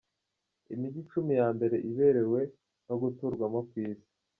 Imijyi icumi ya mbere iberewe no guturwamo ku Isi.